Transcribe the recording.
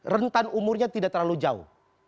rentan umurnya tidak terlalu jauh